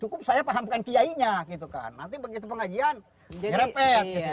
cukup saya pahamkan kiainya gitu kan nanti begitu pengajian ngerepet